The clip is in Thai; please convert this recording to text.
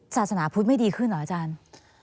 ศาสนาพุทธไม่ดีขึ้นเหรออาจารย์